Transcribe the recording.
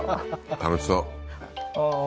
楽しそうあ